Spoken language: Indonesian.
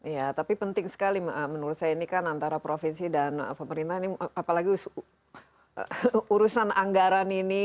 ya tapi penting sekali menurut saya ini kan antara provinsi dan pemerintah ini apalagi urusan anggaran ini